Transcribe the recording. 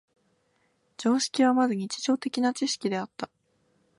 常識はまず日常的な知識であった。